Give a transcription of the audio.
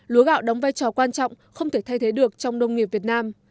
lúa gạo đóng vai trò quan trọng không thể thay thế được trong nông nghiệp việt nam